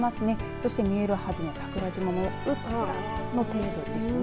そして見えるはずの桜島もうっすらと見えてますね。